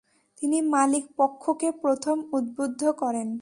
তিনি মালিকপক্ষকে প্রথম উদ্বুদ্ধ করেন।